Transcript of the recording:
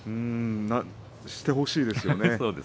してほしいですね。